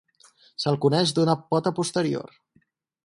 Se'l coneix d'una pota posterior.